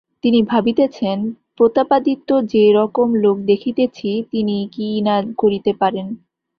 তিনি ভাবিতেছেন, প্রতাপাদিত্য যে-রকম লোক দেখিতেছি তিনি কী না করিতে পারেন।